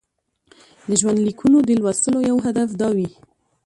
د ژوندلیکونو د لوستلو یو هدف دا وي.